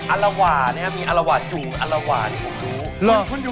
อารวานะครับมีอารวาสดุอารวาเนี่ยผมรู้